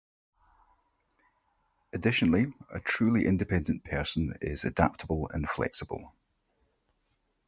Additionally, a truly independent person is adaptable and flexible.